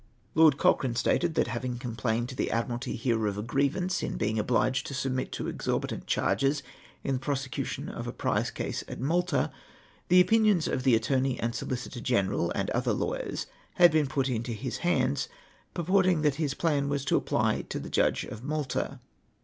'• LoED Cochrane stated that, having complained to the Admiralty here of a gTievance in being obliged to submit to exorbitant charges in the prosecution of a prize cause at Malta, the opinions of the Attorney and Solicitor General, and other lawyers, had been put into his hands, purporting that his plan was to apply to the Judge at INIalta.